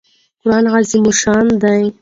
قران عظیم الشان دئ.